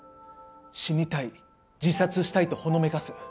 死にたい自殺したいとほのめかす。